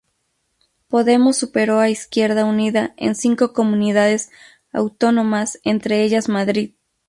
Podemos superó a Izquierda Unida en cinco comunidades autónomas, entre ellas Madrid.